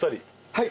はい。